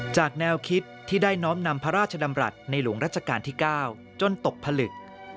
แนวคิดที่ได้น้อมนำพระราชดำรัฐในหลวงรัชกาลที่๙จนตกผลึก